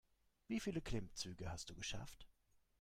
Wie viele Klimmzüge hast du geschafft?